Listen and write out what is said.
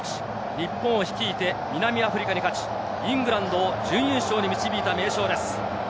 日本を率いて南アフリカに勝ち、イングランドを準優勝に導いた名将です。